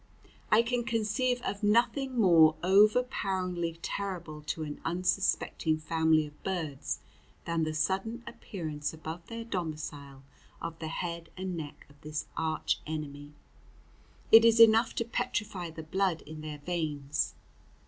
I can conceive of nothing more overpoweringly terrible to an unsuspecting family of birds than the sudden appearance above their domicile of the head and neck of this arch enemy. It is enough to petrify the blood in their veins.